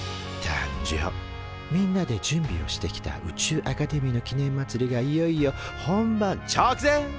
みんなで準備をしてきた宇宙アカデミーの記念まつりがいよいよ本番ちょくぜん。